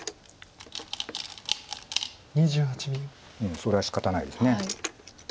それはしかたないです。